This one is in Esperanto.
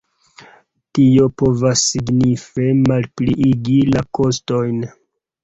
Tio povas signife malpliigi la kostojn.